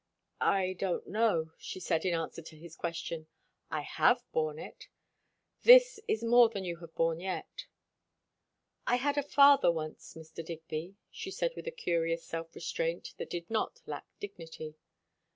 "I don't know, " she said in answer to his question. "I have borne it." "This is more than you have borne yet." "I had a father, once, Mr. Digby, " she said with a curious self restraint that did not lack dignity.